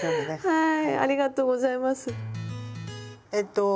はい。